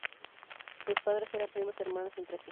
Sus padres eran primos hermanos entre sí.